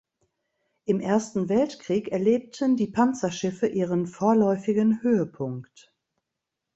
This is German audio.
Im Ersten Weltkrieg erlebten die Panzerschiffe ihren vorläufigen Höhepunkt.